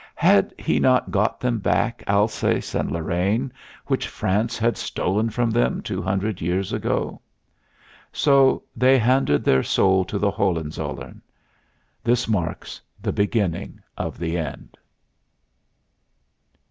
Had he not got them back Alsace and Lorraine, which France had stolen from them two hundred years ago? So they handed their soul to the Hohenzollern. This marks the beginning of the end.